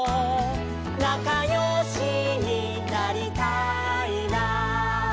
「なかよしになりたいな」